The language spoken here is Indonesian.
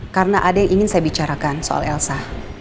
karena ada yang ingin saya bicarakan soal elsa